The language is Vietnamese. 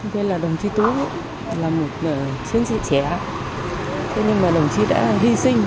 thế là đồng chí tú là một chiến sĩ trẻ thế nhưng mà đồng chí đã hy sinh